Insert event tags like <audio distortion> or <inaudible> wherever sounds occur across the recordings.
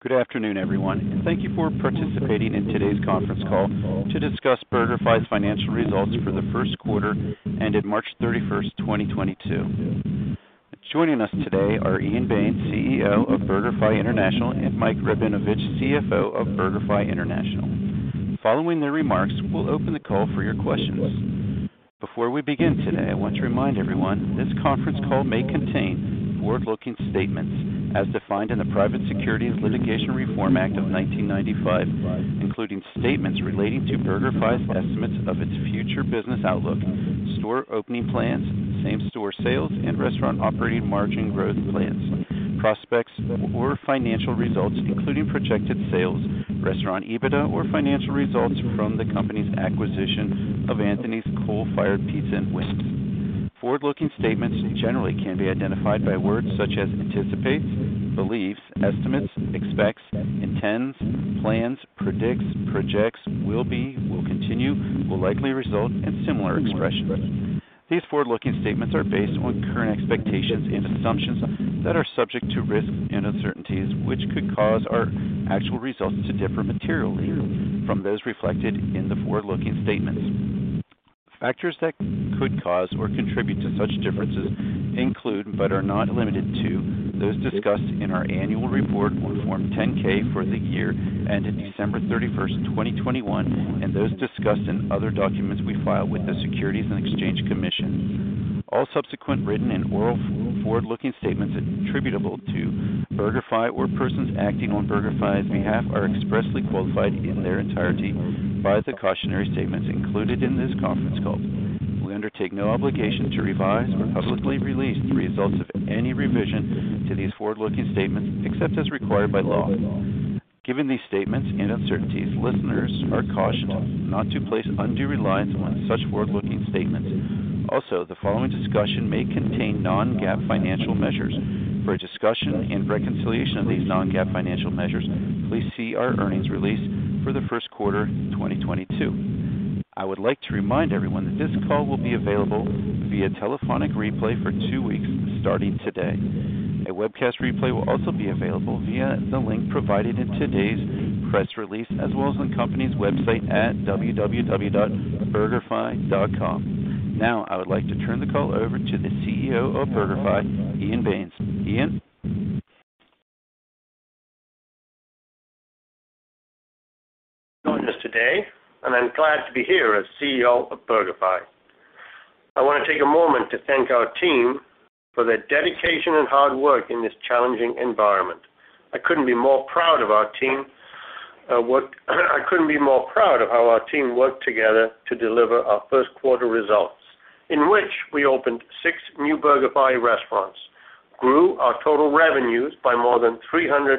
Good afternoon, everyone. Thank you for participating in today's conference call to discuss BurgerFi's financial results for the first quarter ended March 31st, 2022. Joining us today are Ian Baines, CEO of BurgerFi International, and Mike Rabinovitch, CFO of BurgerFi International. Following the remarks, we'll open the call for your questions. Before we begin today, I want to remind everyone this conference call may contain forward-looking statements as defined in the Private Securities Litigation Reform Act of 1995, including statements relating to BurgerFi's estimates of its future business outlook, store opening plans, same-store sales, and restaurant operating margin growth plans, prospects or financial results, including projected sales, restaurant EBITDA or financial results from the company's acquisition of Anthony's Coal Fired Pizza & Wings. Forward-looking statements generally can be identified by words such as anticipates, believes, estimates, expects, intends, plans, predicts, projects, will be, will continue, will likely result, and similar expressions. These forward-looking statements are based on current expectations and assumptions that are subject to risks and uncertainties which could cause our actual results to differ materially from those reflected in the forward-looking statements. Factors that could cause or contribute to such differences include, but are not limited to, those discussed in our annual report on Form 10-K for the year ended December 31st, 2021, and those discussed in other documents we file with the Securities and Exchange Commission. All subsequent written and oral forward-looking statements attributable to BurgerFi or persons acting on BurgerFi's behalf are expressly qualified in their entirety by the cautionary statements included in this conference call. We undertake no obligation to revise or publicly release the results of any revision to these forward-looking statements except as required by law. Given these statements and uncertainties, listeners are cautioned not to place undue reliance on such forward-looking statements. Also, the following discussion may contain non-GAAP financial measures. For a discussion and reconciliation of these non-GAAP financial measures, please see our earnings release for the first quarter 2022. I would like to remind everyone that this call will be available via telephonic replay for two weeks starting today. A webcast replay will also be available via the link provided in today's press release as well as on the company's website at www.burgerfi.com. Now, I would like to turn the call over to the CEO of BurgerFi, Ian Baines. Ian? <audio distortion> joining us today, and I'm glad to be here as CEO of BurgerFi. I wanna take a moment to thank our team for their dedication and hard work in this challenging environment. I couldn't be more proud of how our team worked together to deliver our first quarter results, in which we opened six new BurgerFi restaurants, grew our total revenues by more than 300%,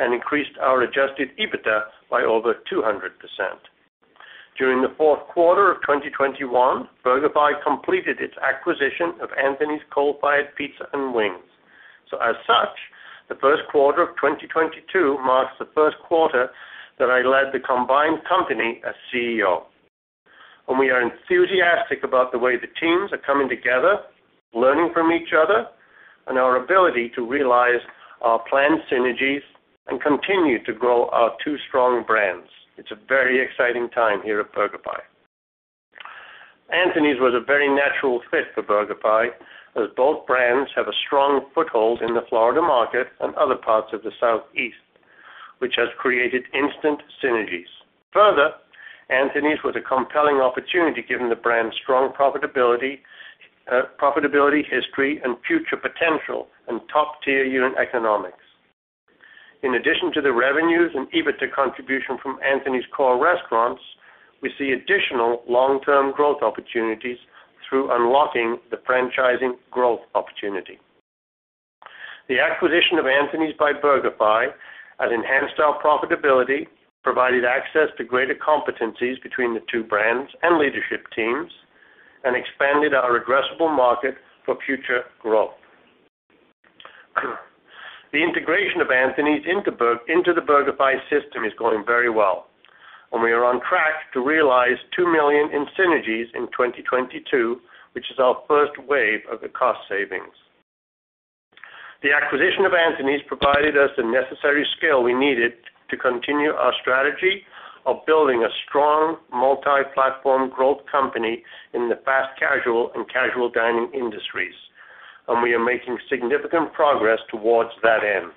and increased our adjusted EBITDA by over 200%. During the fourth quarter of 2021, BurgerFi completed its acquisition of Anthony's Coal Fired Pizza & Wings. As such, the first quarter of 2022 marks the first quarter that I led the combined company as CEO. We are enthusiastic about the way the teams are coming together, learning from each other, and our ability to realize our planned synergies and continue to grow our two strong brands. It's a very exciting time here at BurgerFi. Anthony's was a very natural fit for BurgerFi, as both brands have a strong foothold in the Florida market and other parts of the Southeast, which has created instant synergies. Further, Anthony's was a compelling opportunity given the brand's strong profitability history and future potential and top-tier unit economics. In addition to the revenues and EBITDA contribution from Anthony's core restaurants, we see additional long-term growth opportunities through unlocking the franchising growth opportunity. The acquisition of Anthony's by BurgerFi has enhanced our profitability, provided access to greater competencies between the two brands and leadership teams, and expanded our addressable market for future growth. The integration of Anthony's into the BurgerFi system is going very well, and we are on track to realize $2 million in synergies in 2022, which is our first wave of the cost savings. The acquisition of Anthony's provided us the necessary scale we needed to continue our strategy of building a strong multi-platform growth company in the fast casual and casual dining industries, and we are making significant progress towards that end.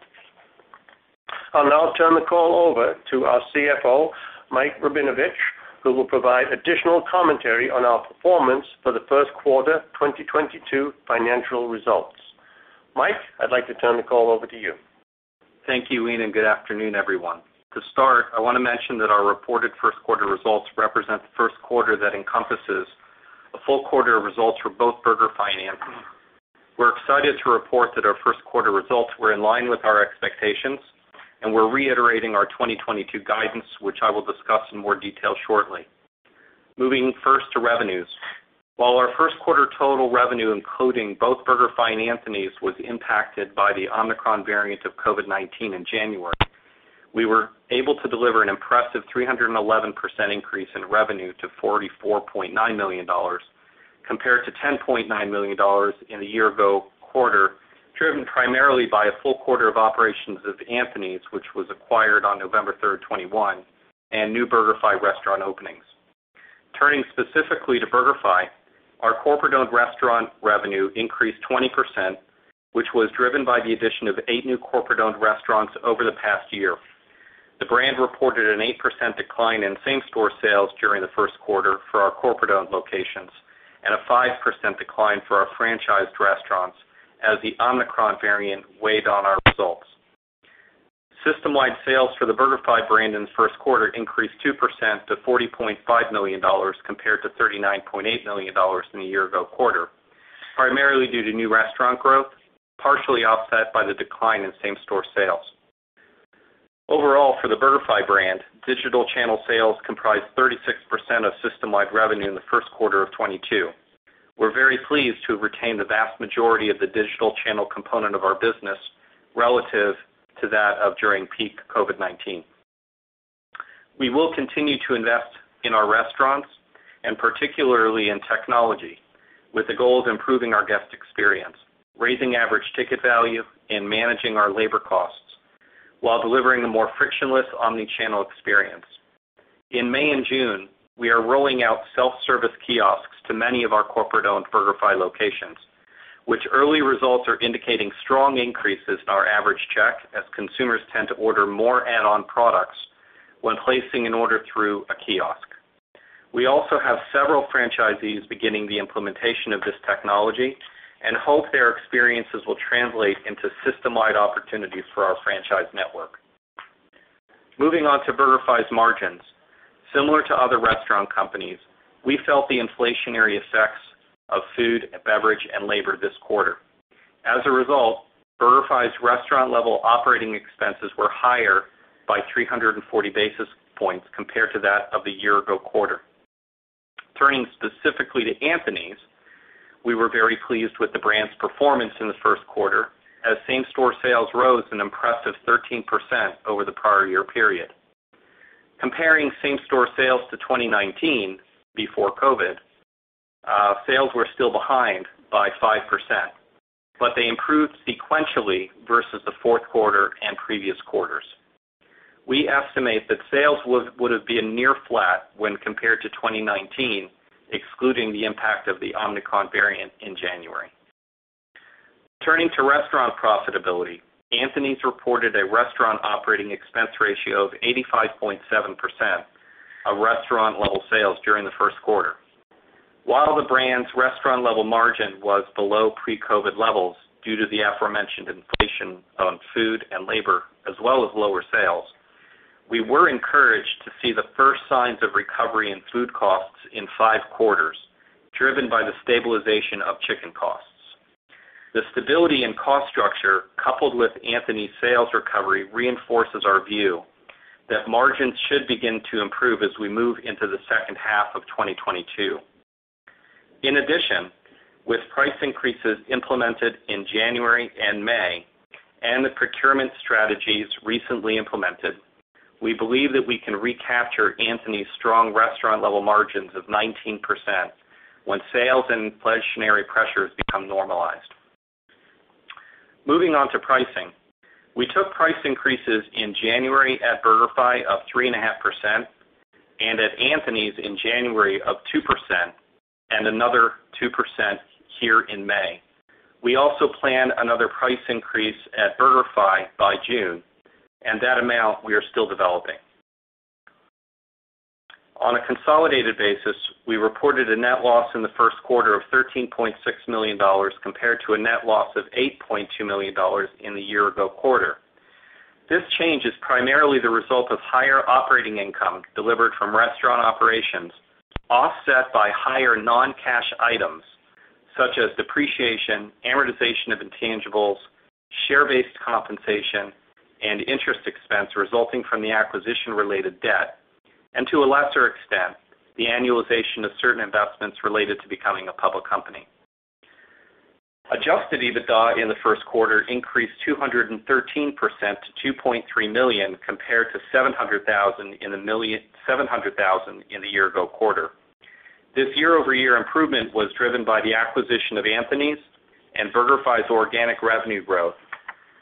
I'll now turn the call over to our CFO, Mike Rabinovitch, who will provide additional commentary on our performance for the first quarter 2022 financial results. Mike, I'd like to turn the call over to you. Thank you, Ian, and good afternoon, everyone. To start, I wanna mention that our reported first quarter results represent the first quarter that encompasses a full quarter of results for both BurgerFi and Anthony's. We're excited to report that our first quarter results were in line with our expectations, and we're reiterating our 2022 guidance, which I will discuss in more detail shortly. Moving first to revenues. While our first quarter total revenue including both BurgerFi and Anthony's was impacted by the Omicron variant of COVID-19 in January, we were able to deliver an impressive 311% increase in revenue to $44.9 million compared to $10.9 million in the year-ago quarter, driven primarily by a full quarter of operations of Anthony's, which was acquired on November 3rd, 2021, and new BurgerFi restaurant openings. Turning specifically to BurgerFi, our corporate-owned restaurant revenue increased 20%, which was driven by the addition of eight new corporate-owned restaurants over the past year. The brand reported an 8% decline in same-store sales during the first quarter for our corporate-owned locations and a 5% decline for our franchised restaurants as the Omicron variant weighed on our results. System-wide sales for the BurgerFi brand in the first quarter increased 2% to $40.5 million, compared to $39.8 million in the year-ago quarter, primarily due to new restaurant growth, partially offset by the decline in same-store sales. Overall, for the BurgerFi brand, digital channel sales comprised 36% of system-wide revenue in the first quarter of 2022. We're very pleased to have retained the vast majority of the digital channel component of our business relative to that of during peak COVID-19. We will continue to invest in our restaurants and particularly in technology, with the goal of improving our guest experience, raising average ticket value, and managing our labor costs while delivering a more frictionless omnichannel experience. In May and June, we are rolling out self-service kiosks to many of our corporate-owned BurgerFi locations, which early results are indicating strong increases in our average check as consumers tend to order more add-on products when placing an order through a kiosk. We also have several franchisees beginning the implementation of this technology and hope their experiences will translate into system-wide opportunities for our franchise network. Moving on to BurgerFi's margins. Similar to other restaurant companies, we felt the inflationary effects of food and beverage and labor this quarter. As a result, BurgerFi's restaurant-level operating expenses were higher by 340 basis points compared to that of the year-ago quarter. Turning specifically to Anthony's, we were very pleased with the brand's performance in the first quarter as same-store sales rose an impressive 13% over the prior year period. Comparing same-store sales to 2019 before COVID, sales were still behind by 5%, but they improved sequentially versus the fourth quarter and previous quarters. We estimate that sales would have been near flat when compared to 2019, excluding the impact of the Omicron variant in January. Turning to restaurant profitability, Anthony's reported a restaurant operating expense ratio of 85.7% of restaurant-level sales during the first quarter. While the brand's restaurant level margin was below pre-COVID levels due to the aforementioned inflation on food and labor as well as lower sales, we were encouraged to see the first signs of recovery in food costs in five quarters, driven by the stabilization of chicken costs. The stability in cost structure, coupled with Anthony's sales recovery, reinforces our view that margins should begin to improve as we move into the second half of 2022. In addition, with price increases implemented in January and May and the procurement strategies recently implemented, we believe that we can recapture Anthony's strong restaurant level margins of 19% when sales and inflationary pressures become normalized. Moving on to pricing. We took price increases in January at BurgerFi of 3.5%, and at Anthony's in January of 2% and another 2% here in May. We also plan another price increase at BurgerFi by June, and that amount we are still developing. On a consolidated basis, we reported a net loss in the first quarter of $13.6 million compared to a net loss of $8.2 million in the year-ago quarter. This change is primarily the result of higher operating income delivered from restaurant operations, offset by higher non-cash items such as depreciation, amortization of intangibles, share-based compensation, and interest expense resulting from the acquisition-related debt, and to a lesser extent, the annualization of certain investments related to becoming a public company. Adjusted EBITDA in the first quarter increased 213% to $2.3 million, compared to $700,000 in the year-ago quarter. This year-over-year improvement was driven by the acquisition of Anthony's and BurgerFi's organic revenue growth,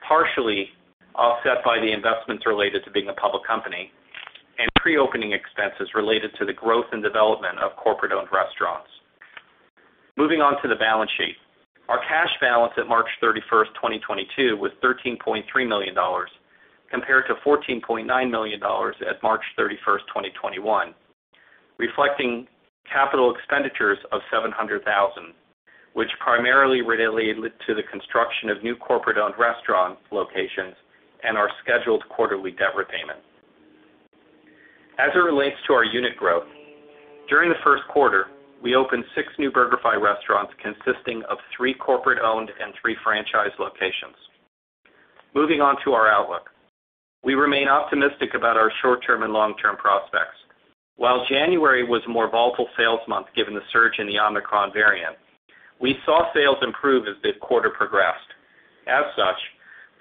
partially offset by the investments related to being a public company and pre-opening expenses related to the growth and development of corporate-owned restaurants. Moving on to the balance sheet. Our cash balance at March 31st, 2022 was $13.3 million compared to $14.9 million at March 31st, 2021, reflecting capital expenditures of $700,000, which primarily related to the construction of new corporate-owned restaurant locations and our scheduled quarterly debt repayment. As it relates to our unit growth, during the first quarter, we opened six new BurgerFi restaurants consisting of three corporate-owned and three franchise locations. Moving on to our outlook. We remain optimistic about our short-term and long-term prospects. While January was a more volatile sales month given the surge in the Omicron variant, we saw sales improve as the quarter progressed. As such,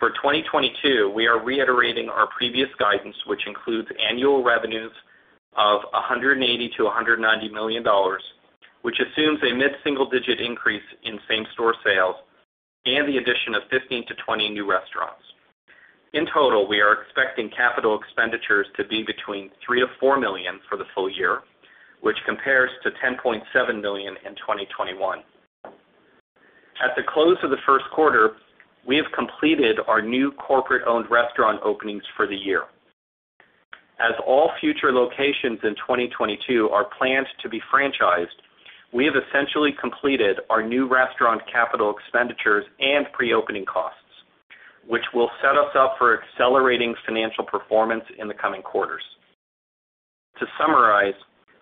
for 2022, we are reiterating our previous guidance, which includes annual revenues of $180 million-$190 million, which assumes a mid-single-digit increase in same-store sales and the addition of 15-20 new restaurants. In total, we are expecting capital expenditures to be between $3 million-$4 million for the full year, which compares to $10.7 million in 2021. At the close of the first quarter, we have completed our new corporate-owned restaurant openings for the year. As all future locations in 2022 are planned to be franchised, we have essentially completed our new restaurant capital expenditures and pre-opening costs, which will set us up for accelerating financial performance in the coming quarters. To summarize,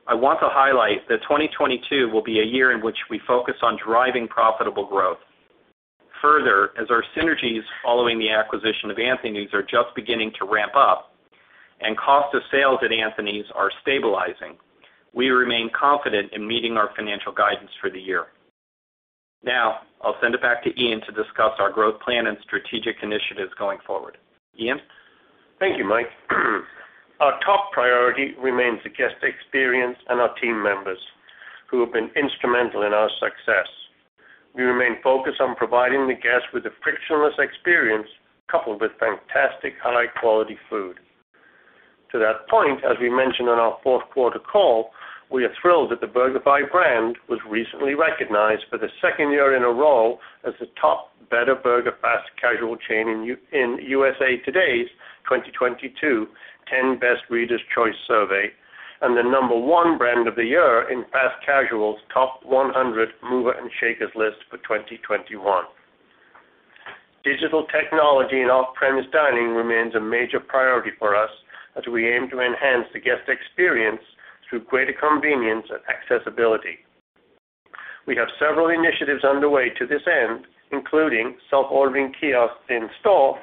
I want to highlight that 2022 will be a year in which we focus on driving profitable growth. Further, as our synergies following the acquisition of Anthony's are just beginning to ramp up and cost of sales at Anthony's are stabilizing, we remain confident in meeting our financial guidance for the year. Now, I'll send it back to Ian to discuss our growth plan and strategic initiatives going forward. Ian? Thank you, Mike. Our top priority remains the guest experience and our team members who have been instrumental in our success. We remain focused on providing the guests with a frictionless experience coupled with fantastic high-quality food. To that point, as we mentioned on our fourth quarter call, we are thrilled that the BurgerFi brand was recently recognized for the second year in a row as the top better burger fast casual chain in USA Today's 2022 10Best Readers' Choice survey and the number one brand of the year in Fast Casual's Top 100 Movers and Shakers list for 2021. Digital technology and off-premise dining remains a major priority for us as we aim to enhance the guest experience through greater convenience and accessibility. We have several initiatives underway to this end, including self-ordering kiosks in store,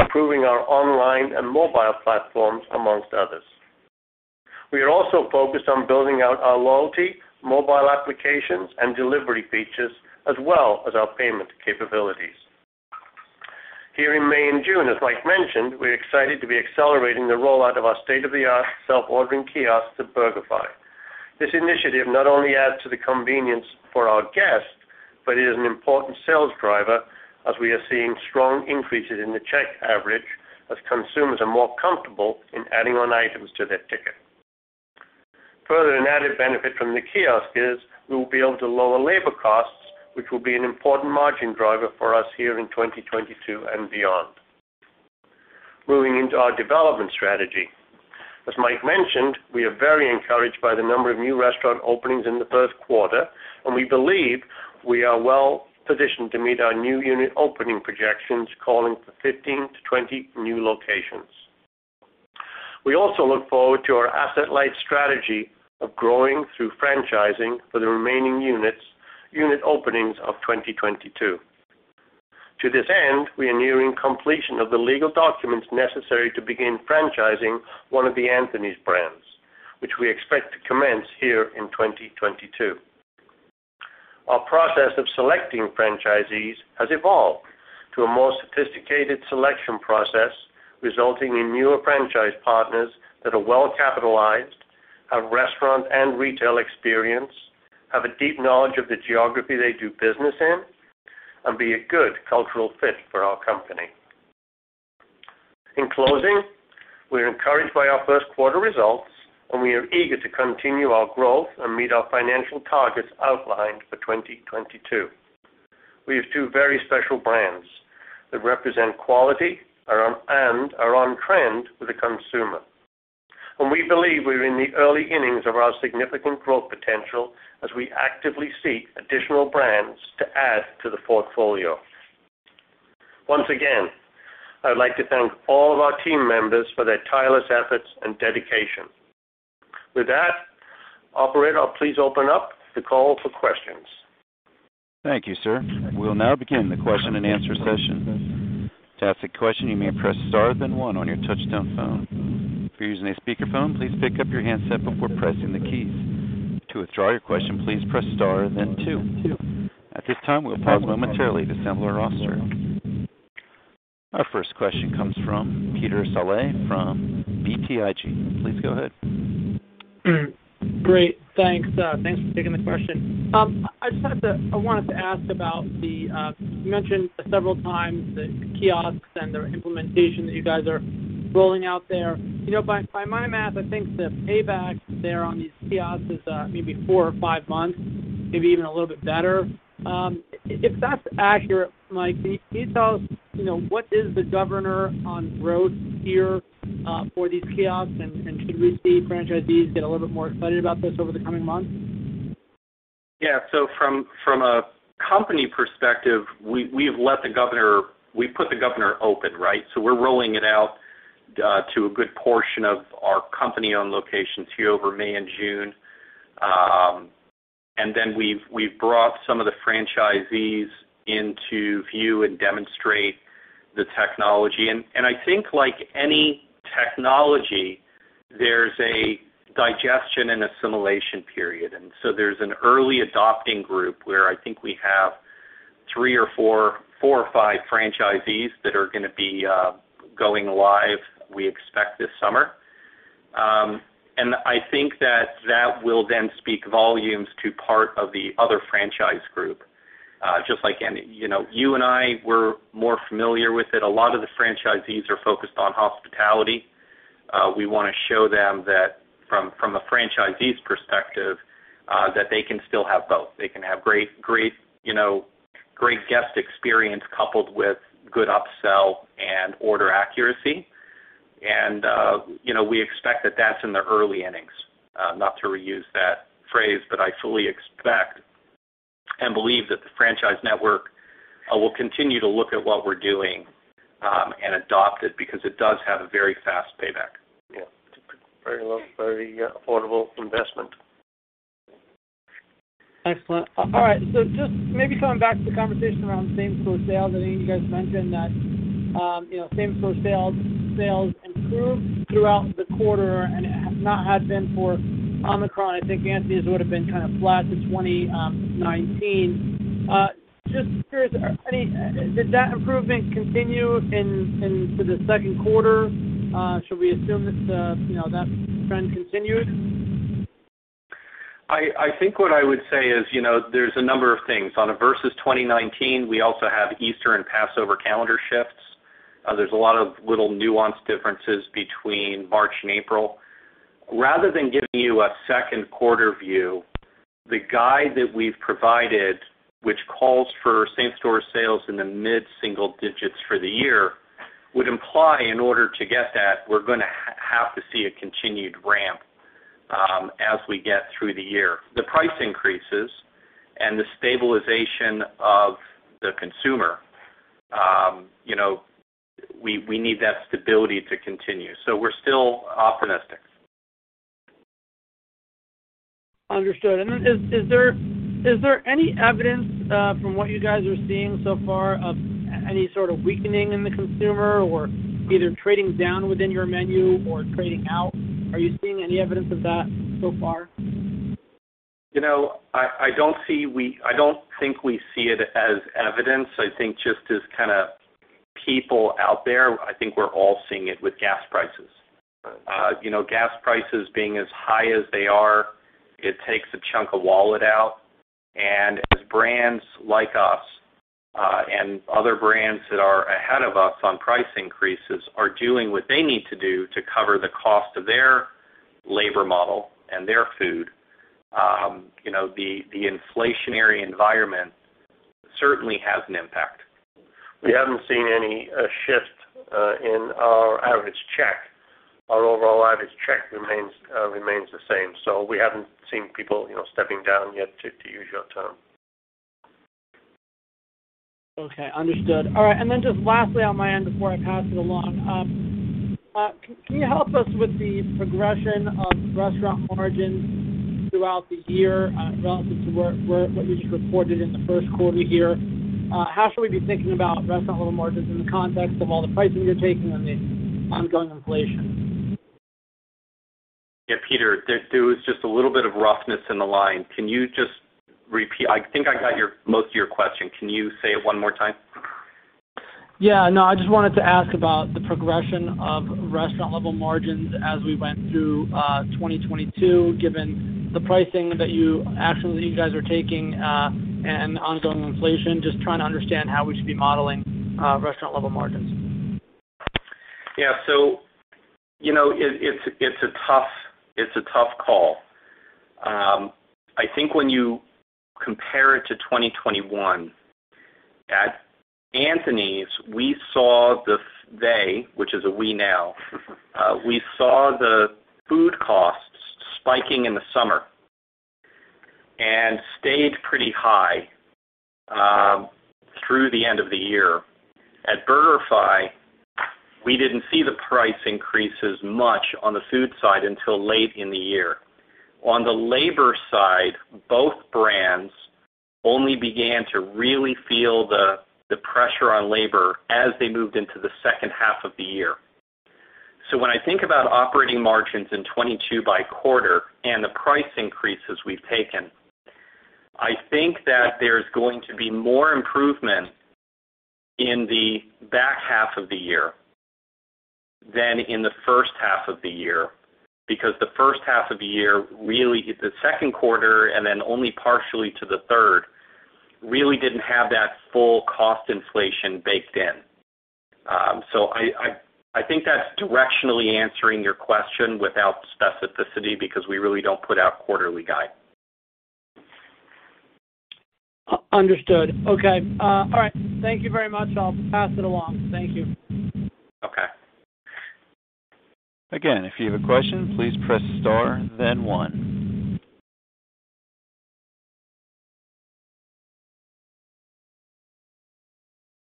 improving our online and mobile platforms, amongst others. We are also focused on building out our loyalty, mobile applications, and delivery features as well as our payment capabilities. Here in May and June, as Mike mentioned, we're excited to be accelerating the rollout of our state-of-the-art self-ordering kiosks at BurgerFi. This initiative not only adds to the convenience for our guests, but it is an important sales driver as we are seeing strong increases in the check average as consumers are more comfortable in adding on items to their ticket. Further, an added benefit from the kiosk is we will be able to lower labor costs, which will be an important margin driver for us here in 2022 and beyond. Moving into our development strategy. As Mike mentioned, we are very encouraged by the number of new restaurant openings in the first quarter, and we believe we are well-positioned to meet our new unit opening projections, calling for 15-20 new locations. We also look forward to our asset-light strategy of growing through franchising for the remaining units, unit openings of 2022. To this end, we are nearing completion of the legal documents necessary to begin franchising one of the Anthony's brands, which we expect to commence here in 2022. Our process of selecting franchisees has evolved to a more sophisticated selection process, resulting in newer franchise partners that are well-capitalized, have restaurant and retail experience, have a deep knowledge of the geography they do business in, and be a good cultural fit for our company. In closing, we're encouraged by our first quarter results, and we are eager to continue our growth and meet our financial targets outlined for 2022. We have two very special brands that represent quality and are on trend with the consumer. We believe we're in the early innings of our significant growth potential as we actively seek additional brands to add to the portfolio. Once again, I would like to thank all of our team members for their tireless efforts and dedication. With that, operator, please open up the call for questions. Thank you, sir. We'll now begin the question and answer session. To ask a question, you may press star, then one on your touchtone phone. If you're using a speakerphone, please pick up your handset before pressing the keys. To withdraw your question, please press star then two. At this time, we'll pause momentarily to assemble our roster. Our first question comes from Peter Saleh from BTIG. Please go ahead. Great. Thanks. Thanks for taking the question. I wanted to ask about the kiosks you mentioned several times and their implementation that you guys are rolling out there. You know, by my math, I think the payback there on these kiosks is maybe four or five months, maybe even a little bit better. If that's accurate, Mike, can you tell us what is the governor on growth here for these kiosks? Should we see franchisees get a little bit more excited about this over the coming months? Yeah. From a company perspective, we have put the governor open, right? We're rolling it out to a good portion of our company-owned locations here over May and June. We've brought some of the franchisees in to view and demonstrate the technology. I think like any technology, there's a digestion and assimilation period. There's an early adopting group where I think we have three or four or five franchisees that are gonna be going live, we expect this summer. I think that will then speak volumes to part of the other franchise group. Just like any. You know, you and I, we're more familiar with it. A lot of the franchisees are focused on hospitality. We wanna show them that from a franchisee's perspective, that they can still have both. They can have great, you know, great guest experience coupled with good upsell and order accuracy. You know, we expect that that's in the early innings. Not to reuse that phrase, but I fully expect and believe that the franchise network will continue to look at what we're doing and adopt it because it does have a very fast payback. Yeah. It's a very low, very affordable investment. Excellent. All right, just maybe coming back to the conversation around same-store sales. I know you guys mentioned that, you know, same-store sales improved throughout the quarter, and had not been for Omicron, I think Anthony's would've been kind of flat to 2019. Just curious, did that improvement continue to the second quarter? Should we assume that, you know, that trend continued? I think what I would say is, you know, there's a number of things. On a versus 2019, we also have Easter and Passover calendar shifts. There's a lot of little nuanced differences between March and April. Rather than giving you a second quarter view, the guide that we've provided, which calls for same-store sales in the mid-single digits for the year, would imply in order to get that, we're gonna have to see a continued ramp as we get through the year. The price increases and the stabilization of the consumer, you know, we need that stability to continue. We're still optimistic. Understood. Is there any evidence from what you guys are seeing so far of any sort of weakening in the consumer or either trading down within your menu or trading out? Are you seeing any evidence of that so far? You know, I don't think we see it as evidence. I think just as kinda people out there, I think we're all seeing it with gas prices. You know, gas prices being as high as they are, it takes a chunk of wallet out. As brands like us and other brands that are ahead of us on price increases are doing what they need to do to cover the cost of their labor model and their food, you know, the inflationary environment certainly has an impact. We haven't seen any shift in our average check. Our overall average check remains the same. We haven't seen people, you know, stepping down yet, to use your term. Okay. Understood. All right, just lastly on my end before I pass it along. Can you help us with the progression of restaurant margins throughout the year, relative to what you just reported in the first quarter here? How should we be thinking about restaurant-level margins in the context of all the pricing you're taking and the ongoing inflation? Yeah, Peter, there was just a little bit of roughness in the line. Can you just repeat? I think I got your most of your question. Can you say it one more time? Yeah. No, I just wanted to ask about the progression of restaurant-level margins as we went through 2022, given the pricing that you actually guys are taking and ongoing inflation. Just trying to understand how we should be modeling restaurant-level margins. Yeah. You know, it's a tough call. I think when you compare it to 2021, at Anthony's, we saw the food costs spiking in the summer and stayed pretty high through the end of the year. At BurgerFi, we didn't see the price increases much on the food side until late in the year. On the labor side, both brands only began to really feel the pressure on labor as they moved into the second half of the year. When I think about operating margins in 2022 by quarter and the price increases we've taken, I think that there's going to be more improvement in the back half of the year than in the first half of the year, because the first half of the year really, the second quarter and then only partially to the third, really didn't have that full cost inflation baked in. I think that's directionally answering your question without specificity because we really don't put out quarterly guidance. Understood. Okay. All right. Thank you very much. I'll pass it along. Thank you. Okay. Again, if you have a question, please press star then one.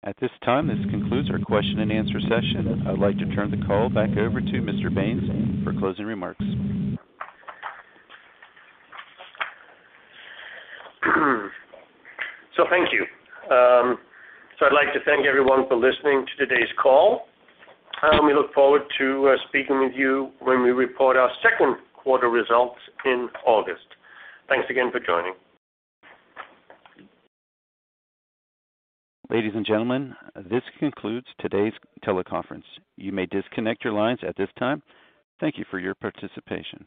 At this time, this concludes our question and answer session. I'd like to turn the call back over to Mr. Baines for closing remarks. Thank you. I'd like to thank everyone for listening to today's call, and we look forward to speaking with you when we report our second quarter results in August. Thanks again for joining. Ladies and gentlemen, this concludes today's teleconference. You may disconnect your lines at this time. Thank you for your participation.